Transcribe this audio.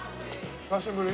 久しぶり。